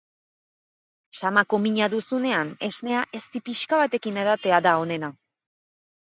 Samako mina duzunean esnea ezti pixka batekin edatea da onena.